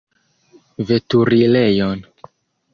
Veturilejon.